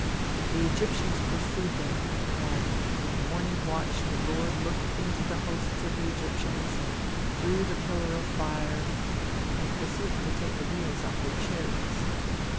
The Egyptians pursued them; "and in the morning watch the Lord looked into the hosts of the Egyptians, through the pillar of fire," and proceeded to take the wheels off their chariots.